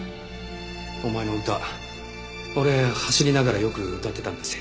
お前の歌俺走りながらよく歌ってたんだぜ。